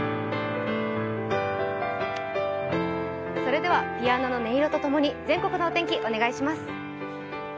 ではピアノの音色と共に全国のお天気お願いします。